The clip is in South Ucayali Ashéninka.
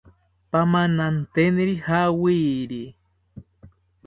Pamananteniri jawiri